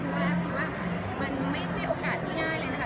เพราะว่าคิดว่ามันไม่ใช่โอกาสที่ง่ายเลยนะคะ